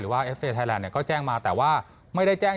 ว่าเอฟเฟย์ไทยแลนดเนี่ยก็แจ้งมาแต่ว่าไม่ได้แจ้ง